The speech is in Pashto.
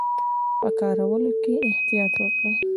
په کارولو کې یې احتیاط وکړي.